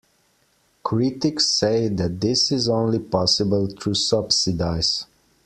Critics say that this is only possible through subsidies.